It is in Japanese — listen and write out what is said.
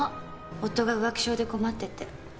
夫が浮気性で困ってて。